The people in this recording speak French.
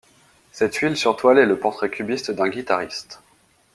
Cette huile sur toile est le portrait cubiste d'un guitariste.